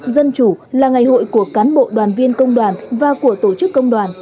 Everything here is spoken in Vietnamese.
dân chủ là ngày hội của cán bộ đoàn viên công đoàn và của tổ chức công đoàn